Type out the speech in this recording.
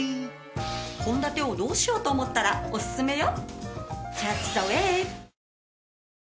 献立をどうしよう？と思ったらおすすめよ。